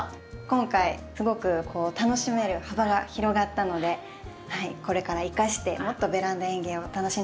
今回すごく楽しめる幅が広がったのでこれから生かしてもっとベランダ園芸を楽しんでいけたらなと思います。